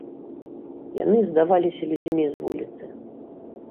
Яны здаваліся людзьмі з вуліцы.